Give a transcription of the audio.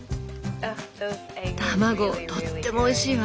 卵とってもおいしいわ。